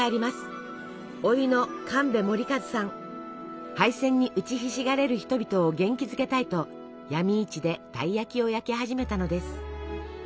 おいの敗戦に打ちひしがれる人々を元気づけたいと闇市でたい焼きを焼き始めたのです。